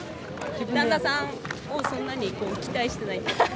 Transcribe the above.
旦那さんをそんなにこう期待してない。